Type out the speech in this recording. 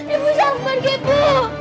ibu jangan pergi ibu